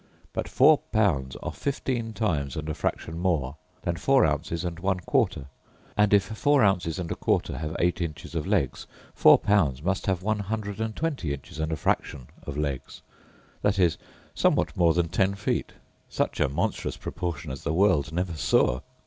But four pounds are fifteen times and a fraction more than four ounces and one quarter; and if four ounces and a quarter have eight inches of legs, four pounds must have one hundred and twenty inches and a fraction of legs; viz., somewhat more than ten feet; such a monstrous proportion as the world never saw!